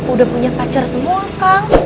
udah punya pacar semua kang